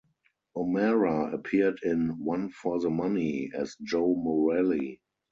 O'Mara appeared in "One for the Money" as Joe Morelli.